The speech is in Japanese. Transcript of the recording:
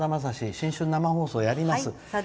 新春生放送やります。